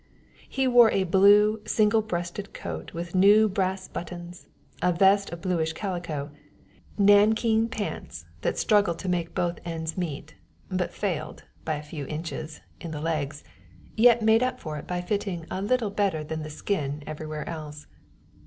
He wore a blue single breasted coat with new brass buttons, a vest of bluish calico, nankeen pants that struggled to make both ends meet, but failed, by a few inches, in the legs, yet made up for it by fitting a little better than the skin everywhere else.